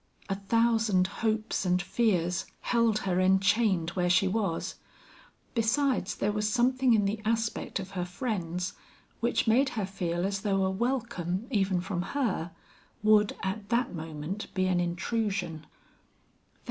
A thousand hopes and fears held her enchained where she was; besides there was something in the aspect of her friends, which made her feel as though a welcome even from her, would at that moment be an intrusion.